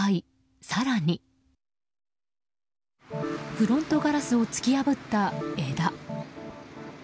フロントガラスを突き破った枝。